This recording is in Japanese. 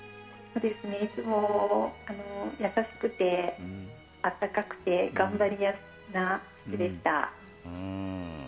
いつも優しくて温かくて頑張り屋な人でした。